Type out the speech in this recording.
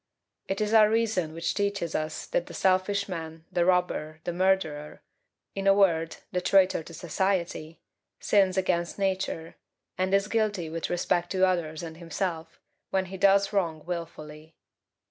It is our reason which teaches us that the selfish man, the robber, the murderer in a word, the traitor to society sins against Nature, and is guilty with respect to others and himself, when he does wrong wilfully.